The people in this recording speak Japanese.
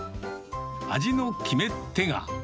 味の決め手が。